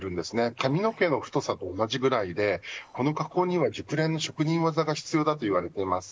髪の毛の太さと同じぐらいでこの加工には熟練の職人技が必要だと言われています。